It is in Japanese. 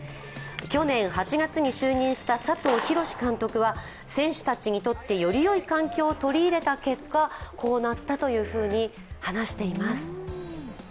去年８月に就任した佐藤洋監督は、選手たちにとってよりよい環境を取り入れた結果、こうなったというふうに話しています。